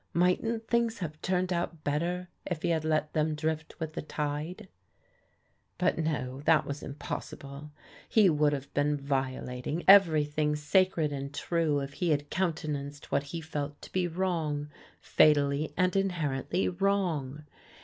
Mightn't things have turned out better if he had let them drift with the tide ? But no; that was impossible. He would have been violating everything sacred and true if he had counte nanced what he felt to be wrong, fatally and inherently wrong.